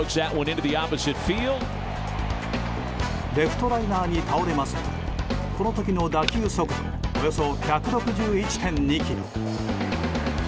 レフトライナーに倒れますがこの時の打球速度およそ１６１．２キロ。